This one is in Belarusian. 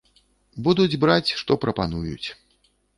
Будуць браць, што прапануюць.